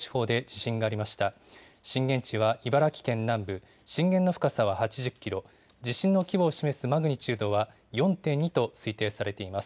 震源地は茨城県南部、震源の深さは８０キロ、地震の規模を示すマグニチュードは４．２と推定されています。